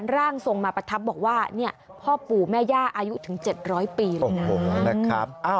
ร่างทรงมาประทับบอกว่าพ่อปู่แม่ย่าอายุถึง๗๐๐ปีเลยนะ